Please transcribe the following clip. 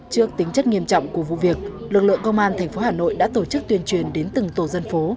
trước tính chất nghiêm trọng của vụ việc lực lượng công an tp hà nội đã tổ chức tuyên truyền đến từng tổ dân phố